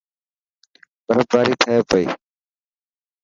برف باري ٿي پئي.